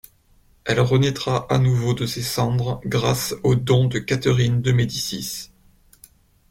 Elle renaîtra à nouveau de ses cendres grâce aux dons de Catherine de Médicis.